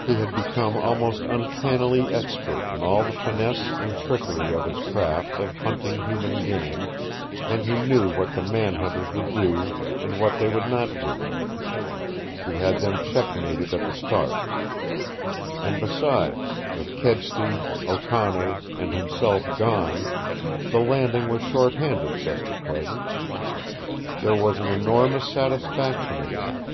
He had become almost uncannily expert in all the finesse and trickery of his craft of hunting human game, and he knew what the man hunters would do and what they would not do. He had them checkmated at the start. And, besides with Kedsty, O'Connor, and himself gone the Landing was short handed just at present. There was an enormous satisfaction in that.